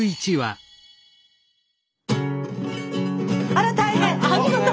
あら大変！